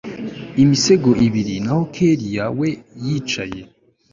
imisego ibiri naho kellia we yicaye